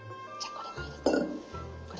これも入れて。